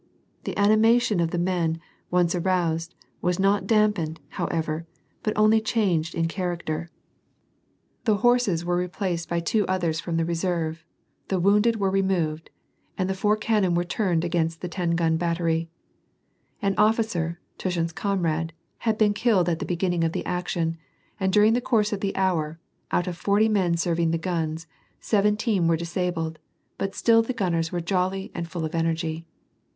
The animation of the men, once aroused, was not damp ened, however, but only changed in character. The horses WAR AND PEACE. 229 were replaced by two others from the reserve ; the wounded were removed, and the four cannon were turned against the ten gun battery. An officer, Tushin's comrade, had been killed at the begin ning of the action, and during the course of the hour, out of forty men serving the guns, seventeen were disabled, but still the gunners were jolly and full of energy.